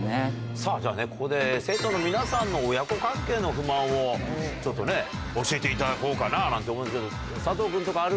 さあ、じゃあね、ここで生徒の皆さんの親子関係の不満をちょっとね、教えていただこうかなと思うんですけど、佐藤君とかある？